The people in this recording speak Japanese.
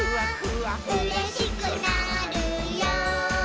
「うれしくなるよ」